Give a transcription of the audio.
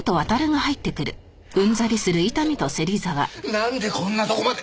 なんでこんなとこまで。